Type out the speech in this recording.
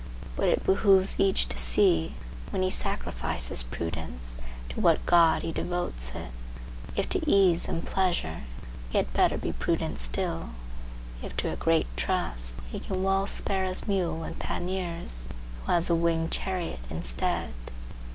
But it behooves each to see, when he sacrifices prudence, to what god he devotes it; if to ease and pleasure, he had better be prudent still; if to a great trust, he can well spare his mule and panniers who has a winged chariot instead.